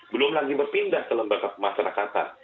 belum lagi berpindah ke lembaga pemasarakatan